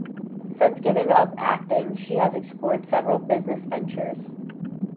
Since giving up acting she has explored several business ventures.